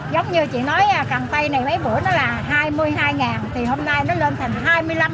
giống như chị nói càng tay này mấy buổi nó là hai mươi hai thì hôm nay nó lên thành hai mươi năm